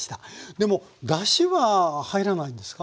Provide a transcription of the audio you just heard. でもだしは入らないんですか？